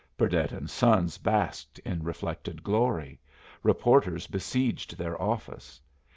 Burdett and Sons basked in reflected glory. Reporters besieged their office.